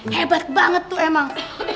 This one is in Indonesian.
hebat banget tuh emang